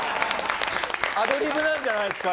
アドリブなんじゃないですか？